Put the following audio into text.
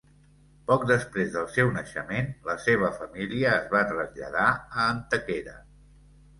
Poc després del seu naixement la seva família es va traslladar a Antequera.